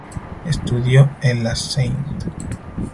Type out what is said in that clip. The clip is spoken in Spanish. Estudió en la St.